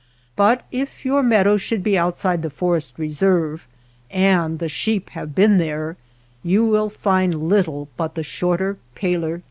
But if your meadow should be outside the forest reserve, and the sheep have been there, you will find little but the shorter, paler G.